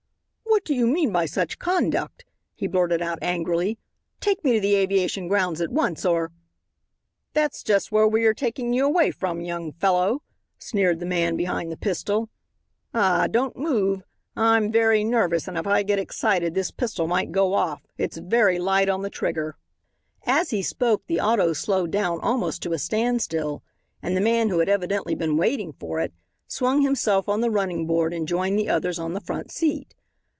"What do you mean by such conduct," he blurted out angrily. "Take me to the aviation grounds at once, or " "That's just where we are taking you away from, young fellow," sneered the man behind the pistol. "Ah! Don't move. I'm very nervous and if I get excited this pistol might go off. It's very light on the trigger." As he spoke the auto slowed down almost to a standstill, and the man who had evidently been waiting for it, swung himself on the running board and joined the others on the front seat.